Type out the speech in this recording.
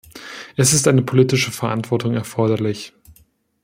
Es ist eine politische Verantwortung erforderlich!